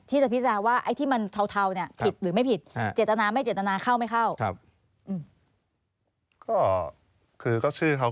ที่จะพิจารณาว่าเจ็ดตนาอย่างไม่เจ็ดตนาให้เข้าไม่เข้า